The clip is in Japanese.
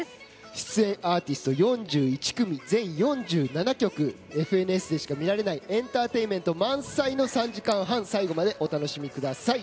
出演アーティスト４１組全４７曲「ＦＮＳ」でしか見られないエンターテインメント満載の３時間半最後までお楽しみください。